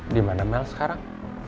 dimana mel sekarang